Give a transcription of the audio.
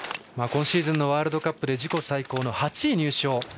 今シーズンのワールドカップで自己最高の８位入賞。